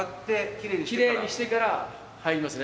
きれいにしてから入りますね。